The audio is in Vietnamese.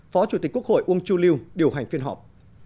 phó chủ tịch quốc hội uông chu liêu điều hành phiên họp